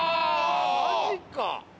マジか！